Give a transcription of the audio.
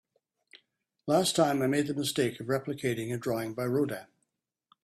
Last time, I made the mistake of replicating a drawing by Rodin.